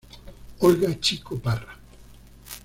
Olga Chico Parra.